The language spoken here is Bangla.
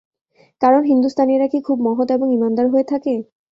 কারণ হিন্দুস্তানিরা কি খুব মহৎ এবং ইমানদার হয়ে থাকে?